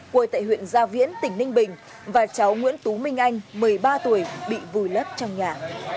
quê tại huyện gia viễn tỉnh ninh bình và cháu nguyễn tú minh anh một mươi ba tuổi bị vùi lấp trong nhà